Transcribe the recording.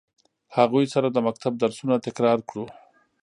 هغوی سره د مکتب درسونه تکرار کړو.